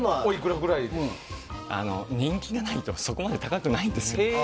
人気がないとそこまで高くないんですよ。